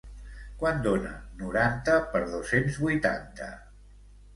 Quant dona noranta per dos-cents vuitanta?